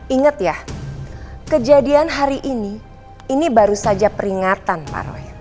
ingat ya kejadian hari ini ini baru saja peringatan pak roy